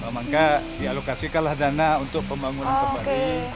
maka dialokasikanlah dana untuk pembangunan kembali